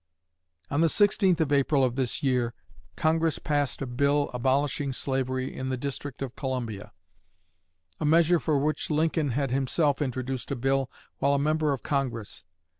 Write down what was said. On the 16th of April of this year, Congress passed a bill abolishing slavery in the District of Columbia a measure for which Lincoln had himself introduced a bill while a member of Congress.